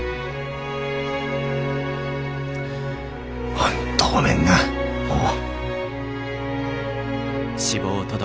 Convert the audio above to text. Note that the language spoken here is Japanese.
本当ごめんなもう。